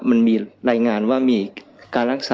มันมีรายงานว่ามีการรักษา